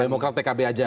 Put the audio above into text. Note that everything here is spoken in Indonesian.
demokrat dengan pkb saja